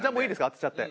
当てちゃって。